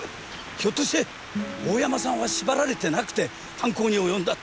ひょっとして大山さんは縛られてなくて犯行におよんだ？